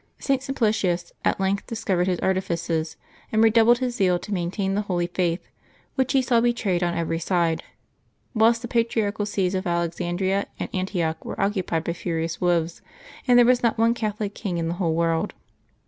St. Simplicius at length discovered his artifices, and redoubled his zeal to maintain the holy faith, which he saw betrayed on every side, whilst the patriarchal sees of Alexandria and An tioch were occupied by furious wolves, and there was not one Catholic king in the whole world.